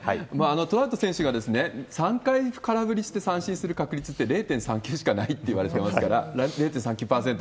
トラウト選手が、３回空振りして三振する確率って、０．３球しかないっていわれてますから、０．３９％。